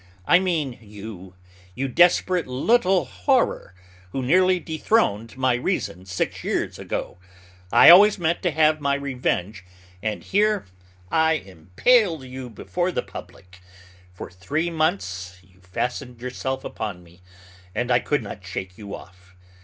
I mean you, you desperate little horror, who nearly dethroned my reason six years ago! I always meant to have my revenge, and here I impale you before the public. For three months, you fastened yourself upon me, and I could not shake you off.